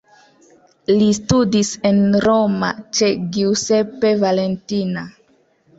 Li studis en Roma ĉe Giuseppe Valentina.